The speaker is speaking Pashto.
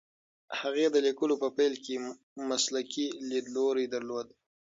هغې د لیکلو په پیل کې مسلکي لیدلوری درلود.